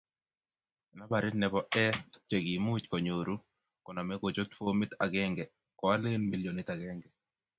nambaritbne bo A che kimuch konyoru koname kochut fomit akemge ko alen milionit akenge